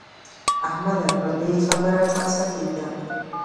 احمده! پر دې خبره کاسه کېږده.